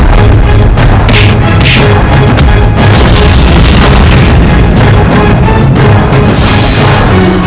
saya tuhmy writing jadi aku urut